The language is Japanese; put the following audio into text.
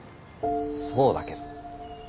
そうだけど。